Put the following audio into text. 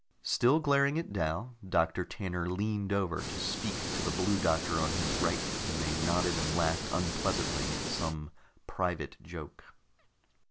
Still glaring at Dal, Doctor Tanner leaned over to speak to the Blue Doctor on his right, and they nodded and laughed unpleasantly at some private joke.